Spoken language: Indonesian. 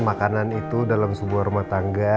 makanan itu dalam sebuah rumah tangga